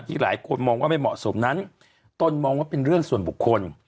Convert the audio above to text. หลายคนมองว่าไม่เหมาะสมนั้นตนมองว่าเป็นเรื่องส่วนบุคคล